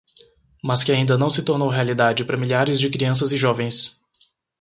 mas que ainda não se tornou realidade para milhares de crianças e jovens